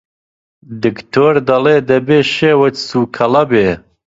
دکتۆر دەڵێ دەبێ شێوت سووکەڵە بێ!